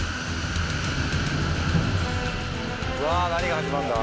うわあ何が始まるんだ？